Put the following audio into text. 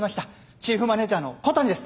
チーフマネジャーの小谷です！